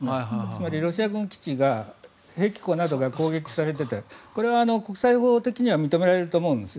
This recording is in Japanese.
つまりロシア軍基地が兵器庫などが攻撃されていてこれは国際法的には認められると思うんです。